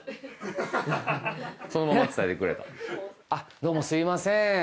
あっどうもすいません